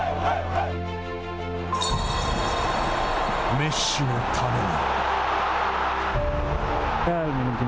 メッシのために。